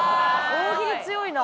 大喜利強いな！